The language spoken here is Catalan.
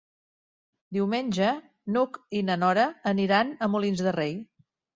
Diumenge n'Hug i na Nora aniran a Molins de Rei.